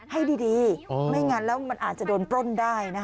ให้ดีไม่งั้นแล้วมันอาจจะโดนปล้นได้นะคะ